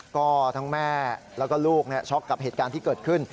ก็ทั้งแม่แล้วก็ลูกช็อกกับเหตุการณ์ที่เกิดขึ้น